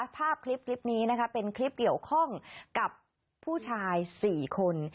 ภาพคลิปนี้นะคะเป็นคลิปเกี่ยวข้องกับผู้ชาย๔คน